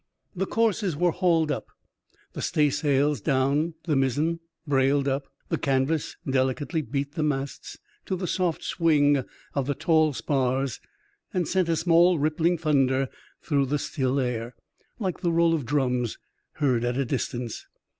The courses were hauled up, the staysails down, the mizzen brailed up ; the canvas delicately beat the masts to the soft swing of the tall spars, and sent a small rippling thunder through the still air, like a roll of drums heard at a distance.